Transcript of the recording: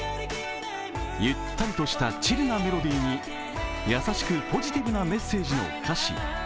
ゆったりとしたチルなメロディーに優しくポジティブなメッセージの歌詞。